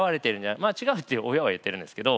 違うって親は言ってるんですけど。